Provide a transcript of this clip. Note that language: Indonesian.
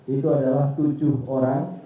itu adalah tujuh orang